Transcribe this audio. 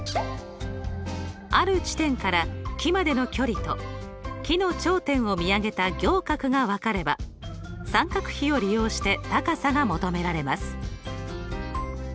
ある地点から木までの距離と木の頂点を見上げた仰角が分かれば三角比を利用して高さが求められます。